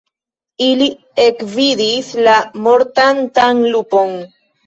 Ili ekvidis la mortantan lupon.